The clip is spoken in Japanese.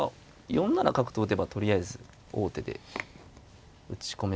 ４七角と打てばとりあえず王手で打ち込めますね。